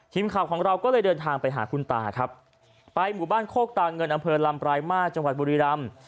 ทีมข่าวของเราก็เลยเดินทางไปหาคุณตาครับไปหมู่บ้านโคกตาเงินอำเภอลำปลายมาสจังหวัดบุรีรำ